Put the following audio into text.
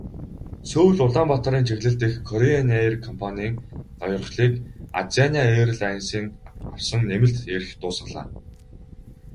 Сөүл-Улаанбаатарын чиглэл дэх Кореан эйр компанийн ноёрхлыг Азиана эйрлайнсын авсан нэмэлт эрх дуусгалаа.